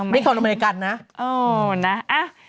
ไม่เข้าอเมริกันนะ